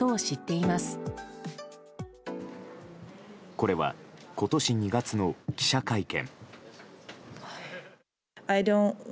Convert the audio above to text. これは今年２月の記者会見。